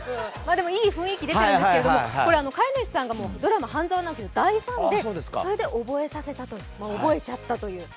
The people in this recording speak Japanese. でもいい雰囲気ですけれども飼い主さんがドラマ「半沢直樹」の大ファンで、それで覚えちゃったという。